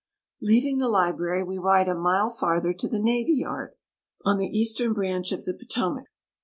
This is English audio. Leaving the library, we ride a mile farther to the navy yard, on the eastern branch of the Potomac.